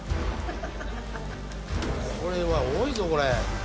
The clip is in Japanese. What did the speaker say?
これは多いぞこれ。